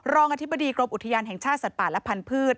อธิบดีกรมอุทยานแห่งชาติสัตว์ป่าและพันธุ์